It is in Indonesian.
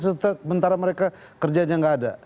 sementara mereka kerjanya nggak ada